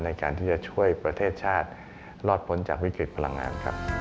ในการที่จะช่วยประเทศชาติรอดพ้นจากวิกฤตพลังงานครับ